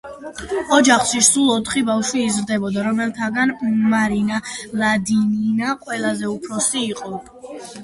ოჯახში სულ ოთხი ბავშვი იზრდებოდა, რომელთაგან მარინა ლადინინა ყველაზე უფროსი იყო.